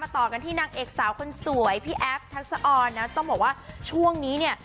ต่อกันที่นางเอกสาวคนสวยพี่แอฟทัศออนนะต้องบอกว่าช่วงนี้เนี่ย